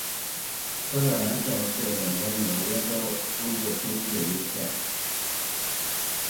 科特兰县是美国纽约州中部偏西的一个县。